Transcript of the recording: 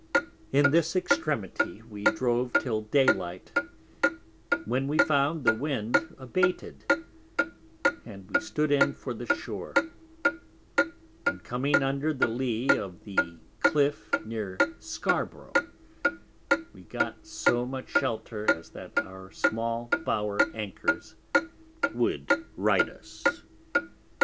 In this Extremity we drove till Daylight when we found the Wind abated, and we stood in for the Shore, and coming under the Lee of the Cliff near Scarbro, we got so much Shelter, as that our small Bower Anchors would ride us.